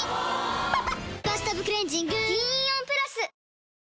・おぉ「バスタブクレンジング」銀イオンプラス！